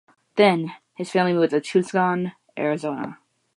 Then, his family moved to Tucson, Arizona.